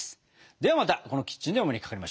ではまたこのキッチンでお目にかかりましょう。